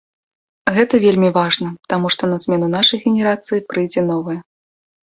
Гэта вельмі важна, таму што на змену нашай генерацыі прыйдзе новая.